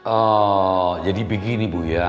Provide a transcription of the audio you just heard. oh jadi begini bu ya